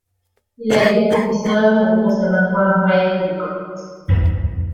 Il a été professeur au Conservatoire royal de Gand.